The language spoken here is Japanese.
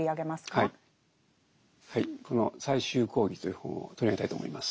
はいこの「最終講義」という本を取り上げたいと思います。